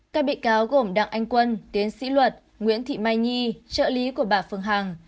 các bị cáo gồm đặng anh quân tiến sĩ luật nguyễn thị mai nhi trợ lý của bà phương hằng